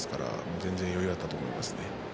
全然、余裕だったと思います。